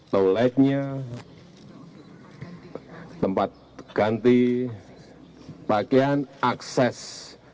toletnya tempat ganti bagian akses